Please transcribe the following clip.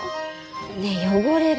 ねえ汚れる。